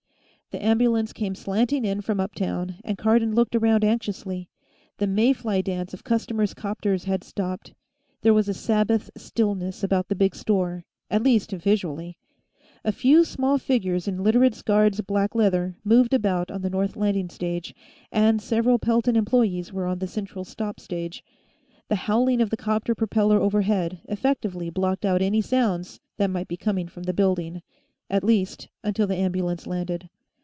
The ambulance came slanting in from uptown, and Cardon looked around anxiously. The May fly dance of customers' 'copters had stopped; there was a Sabbath stillness about the big store, at least visually. A few small figures in Literates' guards black leather moved about on the north landing stage, and several Pelton employees were on the central stop stage. The howling of the 'copter propeller overhead effectively blocked out any sounds that might be coming from the building, at least until the ambulance landed.